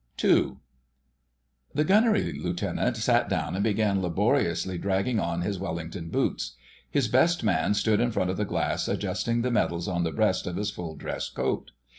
*II.* The Gunnery Lieutenant sat down and began laboriously dragging on his Wellington boots. His Best Man stood in front of the glass adjusting the medals on the breast of his full dress coat.